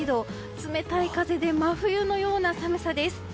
冷たい風で真冬のような寒さです。